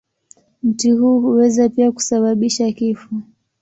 Mti huu huweza pia kusababisha kifo.